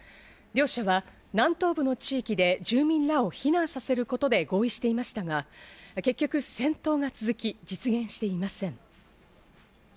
両者は南東部の地域で住民らを避難させることで合意していましたが、結局、戦闘が続き、実現していません。